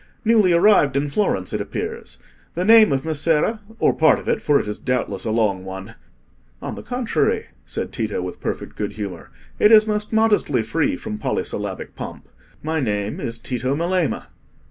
"Newly arrived in Florence, it appears. The name of Messere—or part of it, for it is doubtless a long one?" "On the contrary," said Tito, with perfect good humour, "it is most modestly free from polysyllabic pomp. My name is Tito Melema."